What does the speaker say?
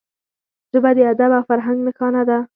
ژبه د ادب او فرهنګ نښانه ده